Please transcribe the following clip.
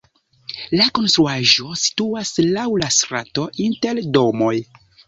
La konstruaĵo situas laŭ la strato inter domoj.